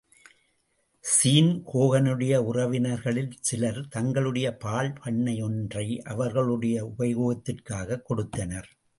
Sean ஹோகனுடைய உறவினர்களில் சிலர் தங்களுடைய பால் பண்ணை ஒன்றை அவர்களுடைய உபயோகத்திற்காகக் கொடுத்தனர்.